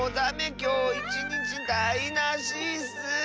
きょういちにちだいなしッス！